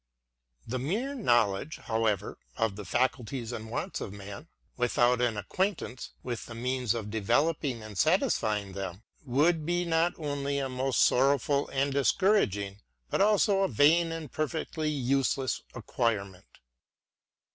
The mere Knowledge, however, of the faculties and wants of man. without an acquaintance with the means of develop in and satisfying them, would be not only a most sorrow ful and discouraging', but also a vain and perfectly useless acquirement.